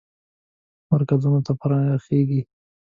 مرکزونو ته پراخیږي.